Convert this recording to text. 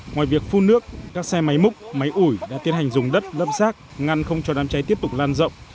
ngoài việc phun nước các xe máy múc máy ủi đã tiến hành dùng đất lấp rác ngăn không cho đám cháy tiếp tục lan rộng